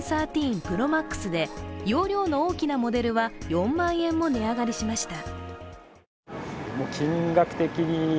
ＰｒｏＭａｘで容量の大きなモデルは４万円も値上がりしました。